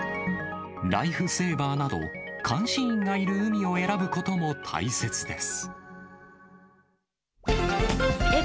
ライフセーバーなど、監視員がいる海を選ぶことも大切です。